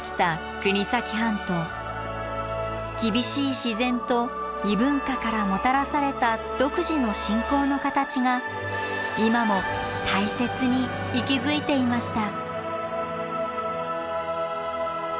厳しい自然と異文化からもたらされた独自の信仰の形が今も大切に息づいていました。